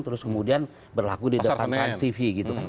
terus kemudian berlaku di depan transtv gitu kan